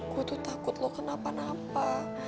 gue tuh takut loh kenapa napa